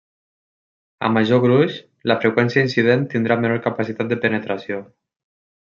A major gruix, la freqüència incident tindrà menor capacitat de penetració.